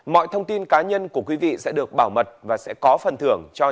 mọi thông tin cá nhân của quý vị sẽ được bảo mật và sẽ có phần thưởng cho những đối tượng